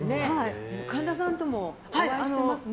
神田さんともお会いしてますね。